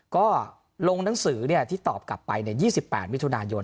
ก็ลงหนังสือที่ตอบกลับไป๒๘มิถุนายน